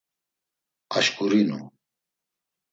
Aşǩurinu!